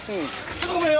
ちょっとごめんよ！